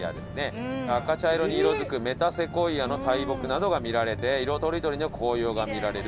赤茶色に色付くメタセコイアの大木などが見られて色とりどりの紅葉が見られる。